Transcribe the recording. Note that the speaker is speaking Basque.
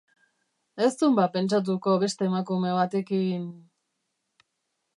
Ez dun ba pentsatuko beste emakume batekin...?